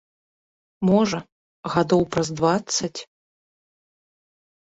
Можа, гадоў праз дваццаць.